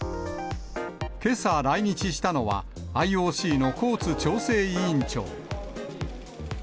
けさ来日したのは、ＩＯＣのコーツ調整委員長。